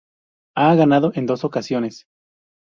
Ha ganado en dos ocasiones.